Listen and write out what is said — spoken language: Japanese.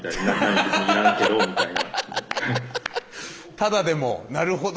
タダでもなるほど。